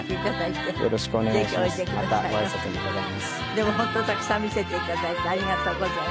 でも本当たくさん見せて頂いてありがとうございました。